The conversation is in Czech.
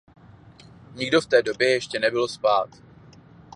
Nikdo v té době ještě nebyl spát.